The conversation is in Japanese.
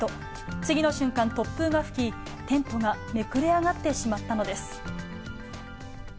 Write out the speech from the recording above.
次の瞬間、突風が吹き、テントがめくれ上がってしまったのです。